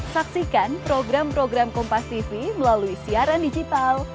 saksikan program program kompastv melalui siaran digital